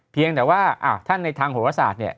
เพียงแต่ว่าท่านในทางโหรศาสตร์เนี่ย